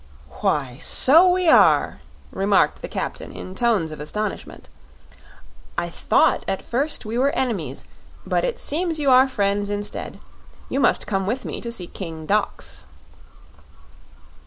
"Why, so we are!" remarked the captain in tones of astonishment. "I thought at first we were enemies, but it seems you are friends instead. You must come with me to see King Dox."